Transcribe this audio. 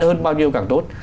hơn bao nhiêu càng tốt